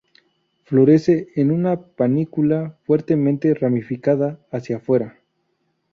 Florece en una panícula fuertemente ramificada hacia fuera.